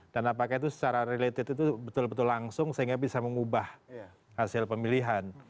dan apakah itu secara related itu betul betul langsung sehingga bisa mengubah hasil pemilihan